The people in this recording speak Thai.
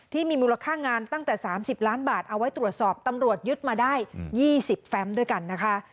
ที่มีมูลค่างานตั้งแต่๓๐ล้านบาทเอาไว้ตรวจสอบตำรวจยึดมาได้๒๐แฟมด้วยกันนะคะ